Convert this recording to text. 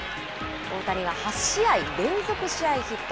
大谷は８試合連続試合ヒット。